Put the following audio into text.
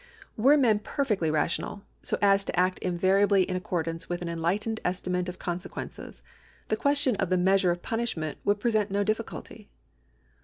Were men perfectly rational, so as to act invariably in accordance with an enlightened estimate of consequences, the question of the measiu'e of punishment would present no difficulty.